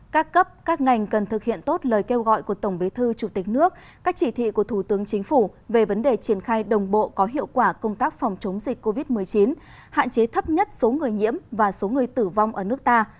các cấp các ngành cần thực hiện tốt lời kêu gọi của tổng bế thư chủ tịch nước các chỉ thị của thủ tướng chính phủ về vấn đề triển khai đồng bộ có hiệu quả công tác phòng chống dịch covid một mươi chín hạn chế thấp nhất số người nhiễm và số người tử vong ở nước ta